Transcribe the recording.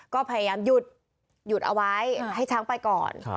ก็พยายามหยุดเอาไว้ให้ช้างไปก่อน